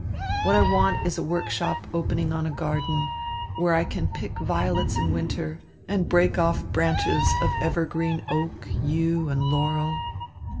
What I want is a workshop opening on a garden, where I can pick violets in winter and break off branches of evergreen oak, yew, and laurel.